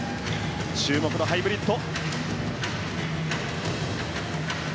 注目のハイブリッド。